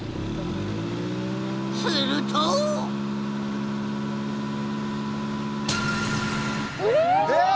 するとえっ！？